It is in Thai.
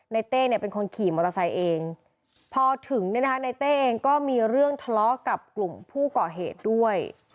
เต้เนี่ยเป็นคนขี่มอเตอร์ไซค์เองพอถึงเนี่ยนะคะในเต้เองก็มีเรื่องทะเลาะกับกลุ่มผู้ก่อเหตุด้วย